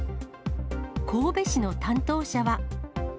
神戸市の担当者は。